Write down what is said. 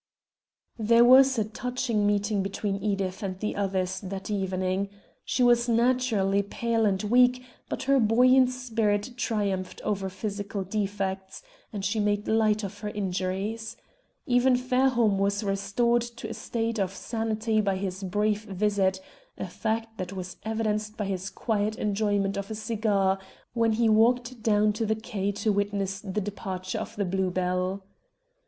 There was a touching meeting between Edith and the others that evening. She was naturally pale and weak, but her buoyant spirit triumphed over physical defects, and she made light of her injuries. Even Fairholme was restored to a state of sanity by his brief visit, a fact that was evidenced by his quiet enjoyment of a cigar when he walked down to the quay to witness the departure of the Blue Bell.